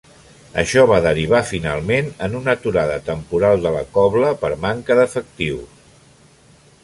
Això va derivar finalment en una aturada temporal de la cobla per manca d'efectius.